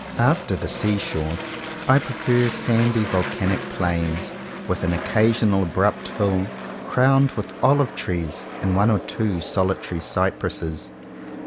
After the sea shore, I prefer sandy vol canic plains, with an occasional abrupt hill crowned with olive trees and one or two solitary cypresses.